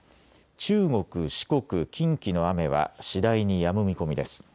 中国、四国、近畿の雨は次第にやむ見込みです。